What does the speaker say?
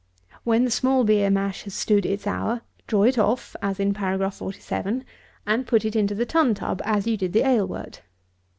52. When the small beer mash has stood its hour, draw it off as in Paragraph 47, and put it into the tun tub as you did the ale wort.